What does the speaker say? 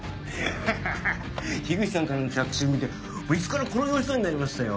ハハハ口さんからの着信見て椅子から転げ落ちそうになりましたよ。